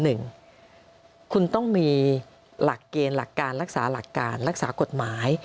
หนึ่งคุณต้องมีหลักเกณฑ์หลักการรักษาหลักการรักษากฎหมาย